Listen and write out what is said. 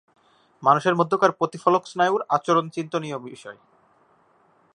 মানুষের মধ্যকার প্রতিফলক স্নায়ুর আচরণ চিন্তনীয় বিষয়।